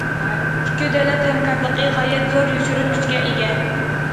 ئىككى دۆلەت ھەمكارلىقى غايەت زور يوشۇرۇن كۈچكە ئىگە.